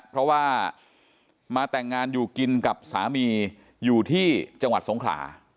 เพราะว่ามาแต่งงานอยู่กินกับสามีอยู่ที่จังหวัดสงขลา